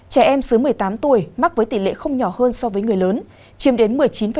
trẻ em dưới một mươi tám tuổi mắc với tỷ lệ không nhỏ hơn so với người lớn chiếm đến một mươi chín